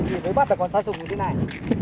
thì mới bắt được con xa sùng như thế này